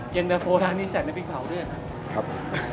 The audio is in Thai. เย็นตะโฟร้านนี้ใส่น้ำพริกเผาด้วยนะครับ